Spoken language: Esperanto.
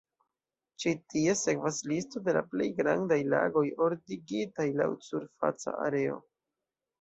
Ĉi tie sekvas listo de la plej grandaj lagoj, ordigitaj laŭ surfaca areo.